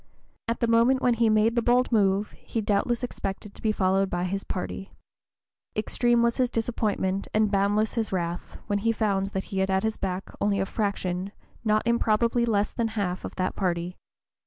At the moment when he made the bold move, he doubtless expected to be followed by his party. Extreme was his disappointment and boundless his wrath, when he found that he had at his back only a fraction, not improbably less than half, of that party.